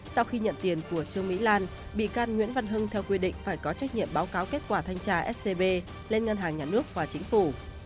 sau khi nhận tiền của trương mỹ lan bị can nguyễn văn hưng theo quy định phải có trách nhiệm báo cáo kết quả thanh tra scb lên ngân hàng nhà nước và chính phủ